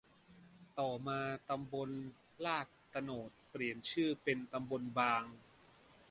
ต่อมา ตำบลลาดโตนดเปลี่ยนชื่อเป็น ตำบลบาง